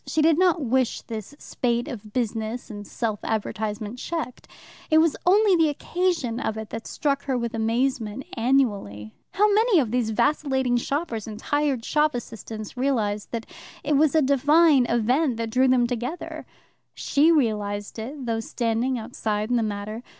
She did not wish this spate of business and self advertisement checked. It was only the occasion of it that struck her with amazement annually. How many of these vacillating shoppers and tired shop assistants realized that it was a divine event that drew them together? She realized it, though standing outside in the matter.